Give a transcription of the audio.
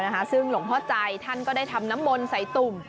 หลวงพ่อจ่ายท่านก็ได้ทำน้ำมนใส่ตุ่ม